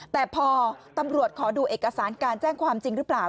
แต่พอตำรวจขอดูเอกสารการแจ้งความจริงหรือเปล่า